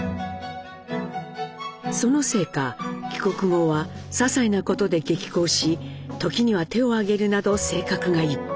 そのせいか帰国後はささいなことで激高し時には手を上げるなど性格が一変。